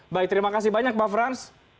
baik terima kasih banyak pak frans